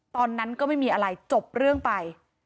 ตอนนั้นก็ไม่มีอะไรจบเรื่องไป